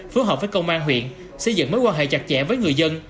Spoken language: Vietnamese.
phù hợp với công an huyện xây dựng mối quan hệ chặt chẽ với người dân